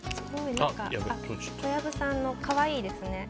小籔さんの可愛いですね。